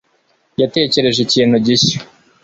yatekereje ikintu gishya